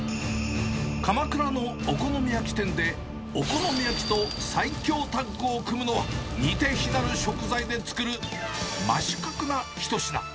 鎌倉のお好み焼き店で、お好み焼きと最強タッグを組むのは、似て非なる食材で作る、真四角な一品。